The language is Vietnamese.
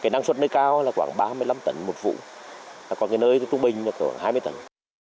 năng suất nơi cao là khoảng ba mươi năm tấn một vụ còn nơi thu bình là khoảng hai mươi tấn